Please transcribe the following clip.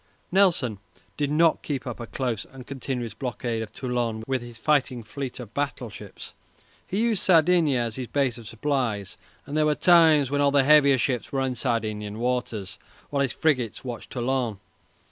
Nelson did not keep up a close and continuous blockade of Toulon with his fighting fleet of battleships. He used Sardinia as his base of supplies, and there were times when all the heavier ships were in Sardinian waters, while his frigates watched Toulon.